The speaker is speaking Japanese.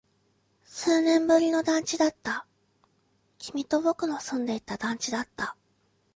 数年ぶりの団地だった。君と僕の住んでいた団地だった。